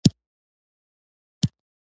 نیمګړی مصنوعي بې اساسه ګڼي.